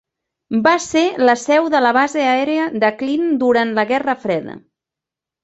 Va ser la seu de la base aèria de Klin durant la Guerra Freda.